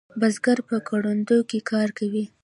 بزگر په کرونده کې کار کوي.